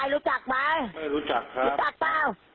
ไม่รู้จักครับรู้จักหรือ